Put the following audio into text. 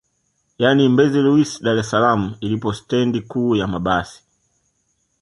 Yani Mbezi Luis Dar es salaam ilipo stendi kuu ya mabasi